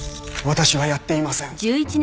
私はやっていません。